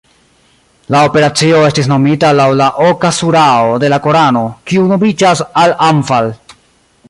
La operacio estis nomita laŭ la oka surao de la korano, kiu nomiĝas "Al-Anfal".